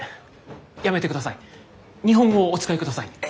日本語をお使いください。